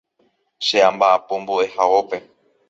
che amba'apo mbo'ehaópe